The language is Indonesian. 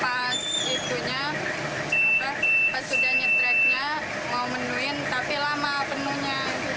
pas sudah ngetrack nya mau menuhin tapi lama penuhnya